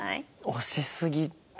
押しすぎと。